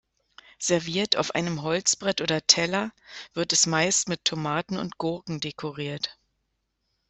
Serviert auf einem Holzbrett oder Teller, wird es meist mit Tomaten und Gurken dekoriert.